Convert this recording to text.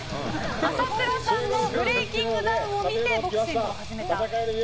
朝倉さんのブレイキングダウンを見てボクシングを始めたと。